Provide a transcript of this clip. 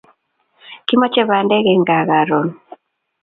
Kimache bandek en kaa karon